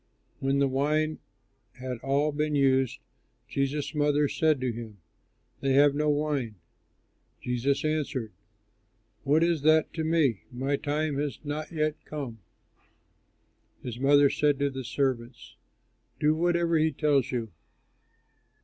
When the wine had all been used, Jesus' mother said to him, "They have no wine." Jesus answered, "What is that to me? My time has not yet come." His mother said to the servants, "Do whatever he tells you."